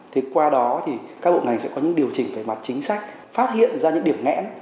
thì qua đó thì các bộ ngành sẽ có những điều chỉnh về mặt chính sách phát hiện ra những điểm ngẽn